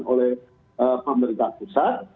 oleh pemerintah pusat